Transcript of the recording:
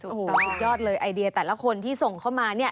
โอ้โหสุดยอดเลยไอเดียแต่ละคนที่ส่งเข้ามาเนี่ย